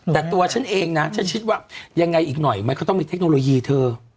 แต่ตัวฉันเองนะฉันคิดว่ายังไงอีกหน่อยมันก็ต้องมีเทคโนโลยีเธอ